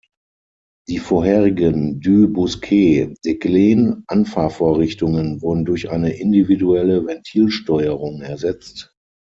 Die vorherigen Du-Bousquet-De-Glehn-Anfahrvorrichtungen wurden durch eine individuelle Ventilsteuerung ersetzt.